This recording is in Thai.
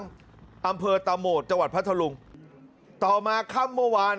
หาวหาวหาวหาวหาวหาวหาวหาวหาวหาว